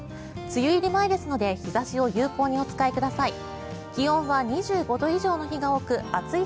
梅雨入り前ですので日差しを有効にお使いください。